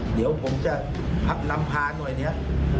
เดี๋ยวผมจะนำพาหน่อยเนี่ย